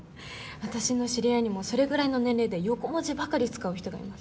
私の知り合いにもそれぐらいの年齢で横文字ばかり使う人がいます。